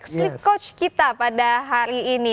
slip coach kita pada hari ini